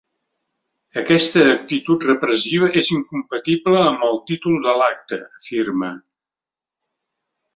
“Aquesta actitud repressiva és incompatible amb el títol de l’acte”, afirma.